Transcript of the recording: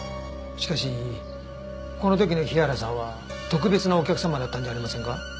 しかしこの時の日原さんは特別なお客様だったんじゃありませんか？